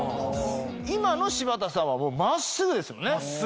今の柴田さんは真っすぐですよね。